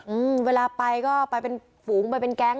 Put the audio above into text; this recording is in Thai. อืมเวลาไปก็ไปเป็นฝูงไปเป็นแก๊ง